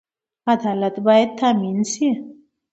عدالت باید تامین شي